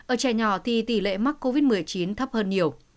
ở trẻ nhỏ thì tỷ lệ mắc covid một mươi chín thấp hơn nhiều